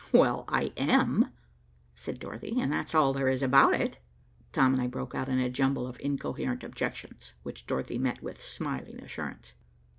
"Well, I am," said Dorothy, "and that's all there is about it." Tom and I broke out in a jumble of incoherent objections, which Dorothy met with smiling assurance.